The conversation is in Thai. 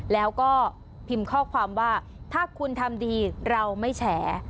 แล้วก็พิมพ์ข้อความว่าถ้าคุณทำดีเราไม่แฉ